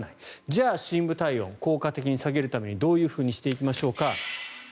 じゃあ、深部体温を効果的に下げるためにどういうふうにしていきましょうか。